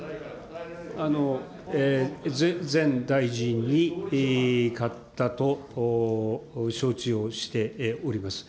全大臣に買ったと承知をしております。